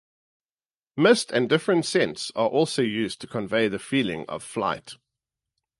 Mist and different scents are also used to convey the feeling of flight.